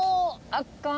圧巻！